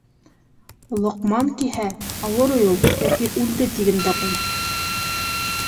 Лоҡман киһә, ауырый ул, йәки үлде тиген дә ҡуй...